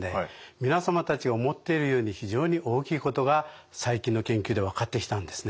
皆様たちが思っているより非常に大きいことが最近の研究で分かってきたんですね。